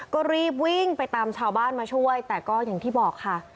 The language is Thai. ก็รีบวิ่งไปตามชาวบ้านมาช่วยแต่ก็อย่างที่บอกค่ะ